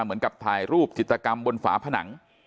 เหมือนกับถ่ายรูปจิตกรรมบนฝาผนัง